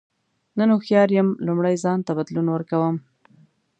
نن هوښیار یم لومړی ځان ته بدلون ورکوم.